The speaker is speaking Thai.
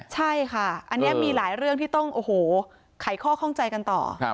ใช่ค่ะอันนี้มีหลายเรื่องที่ต้องโอ้โหไขข้อข้องใจกันต่อ